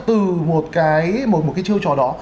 từ một cái chiêu trò đó